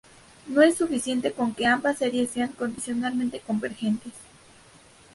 No es suficiente con que ambas series sean condicionalmente convergentes.